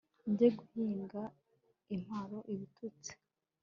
njye guhinga imparo ibututsi